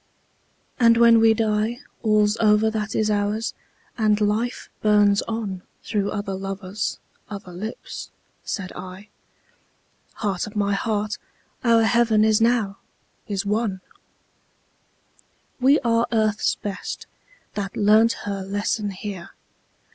..." "And when we die All's over that is ours; and life burns on Through other lovers, other lips," said I, "Heart of my heart, our heaven is now, is won!" "We are Earth's best, that learnt her lesson here.